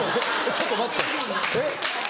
ちょっと待ってえっ？